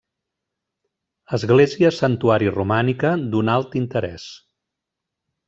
Església- Santuari romànica d'un alt interès.